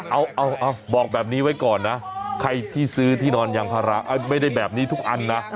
เอาบอกแบบนี้ไว้ก่อนนะใครที่ซื้อที่นอนยางพาราไม่ได้แบบนี้ทุกอันนะ